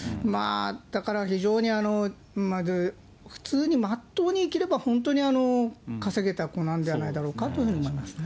だから、非常に、普通に、まっとうに生きれば、本当に稼げた子なんじゃないだろうかと思いますね。